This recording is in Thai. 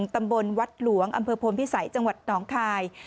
ตำบลวัดหลวงอำเภอพลพิสัยจังหวัดหนองคาย